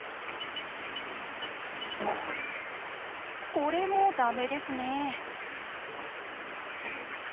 これも駄目ですね。